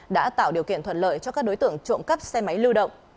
đã tạo điều kiện thuận lợi cho các đối tượng trộm cắp xe máy lưu động